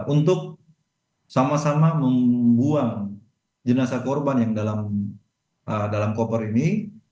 untuk sama sama membuang jenazah korban yang dalam koper ini